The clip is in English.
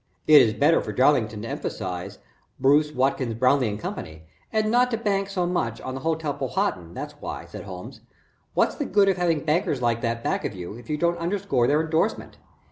"It is better for Darlington to emphasize Bruce, Watkins, Brownleigh & Co., and not to bank to much on the Hotel Powhatan, that's why," said Holmes. "What's the good of having bankers like that back of you if you don't underscore their endorsement?